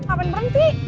apa yang berhenti